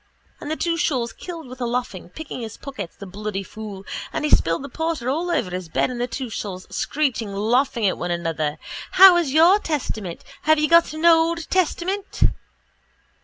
And the two shawls killed with the laughing, picking his pockets, the bloody fool and he spilling the porter all over the bed and the two shawls screeching laughing at one another. _How is your testament? Have you got an old testament?